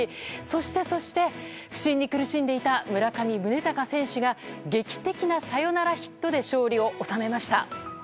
そしてそして、不振に苦しんでいた村上宗隆選手が劇的なサヨナラヒットで勝利を収めました。